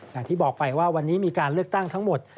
อย่างที่บอกไปว่าวันนี้มีการเลือกตั้งทั้งหมด